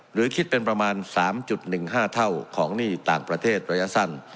หรือคิดเป็นประมาณ๓๑๕เท่าของหนี้ต่างประเทศระยะสั้น